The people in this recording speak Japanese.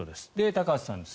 高橋さんです。